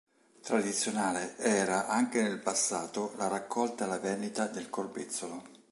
Tradizionale era anche nel passato la raccolta e la vendita del corbezzolo.